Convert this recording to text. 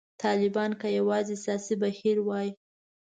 طالبان که یوازې سیاسي بهیر وای.